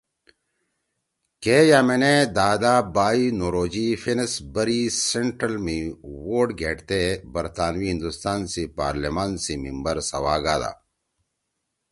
کے یأمنے دادا بائی نوروجی فِنس بری سنٹرل می ووٹ گھیڑتے برطانوی ہندوستان سی پارلیمان سی ممبر سوا گادا۔